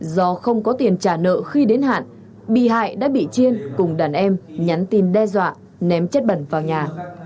do không có tiền trả nợ khi đến hạn bị hại đã bị chiên cùng đàn em nhắn tin đe dọa ném chất bẩn vào nhà